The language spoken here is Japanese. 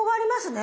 ね